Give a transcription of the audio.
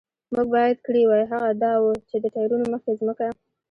موږ باید کړي وای، هغه دا و، چې د ټایرونو مخکې ځمکه.